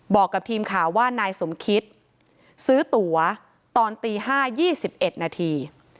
บอกกับทีมข่าวว่านายสมคิดซื้อตัวตอนตีห้ายี่สิบเอ็ดนาที